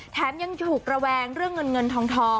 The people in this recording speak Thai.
แถมยังถูกระแวงเรื่องเงินเงินทอง